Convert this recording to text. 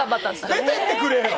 出てってくれよ！